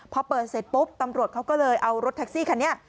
พอเปิดเสร็จปุ๊บตำรวจเขาก็เลยเอารถแท็กซี่คันนี้